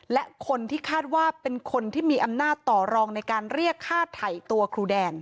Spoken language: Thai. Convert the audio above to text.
และคนที่คาดว่าเป็นคนที่มีอำนาจต่อรองในการเรียกฆ่าไถ่ตัวครูแดน